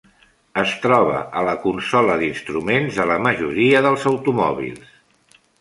Es troba a la consola d'instruments de la majoria dels automòbils.